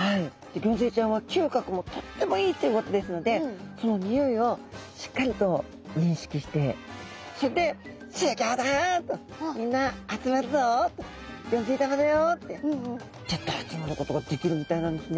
ギョンズイちゃんは嗅覚もとってもいいということですのでそのにおいをしっかりと認識してそれで「集合だ」と「みんな集まるぞ」と「ギョンズイ玉だよ」ってギュッと集まることができるみたいなんですね。